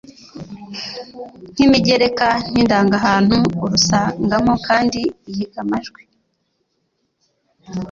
nk'imigereka n'indangahantu. Urasangamo kandi iyigamajwi,